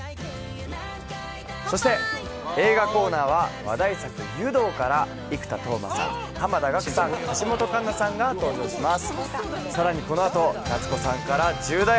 そして映画コーナーは、話題作「湯道」から生田斗真さん、濱田岳さん、橋本環奈さんが登場します。